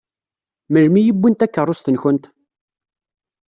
Melmi i wwin takeṛṛust-nkent?